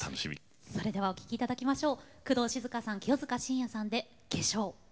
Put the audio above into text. それではお聴きいただきましょう。